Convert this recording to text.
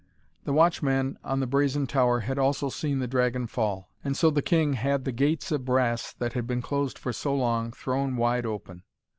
The watchman on the brazen tower had also seen the dragon fall, and so the king had the gates of brass, that had been closed for so long, thrown wide open.